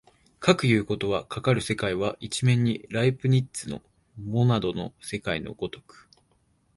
かくいうことは、かかる世界は一面にライプニッツのモナドの世界の如く